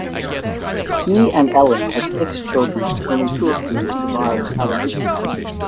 He and Ellen had six children, only two of whom survived to adulthood.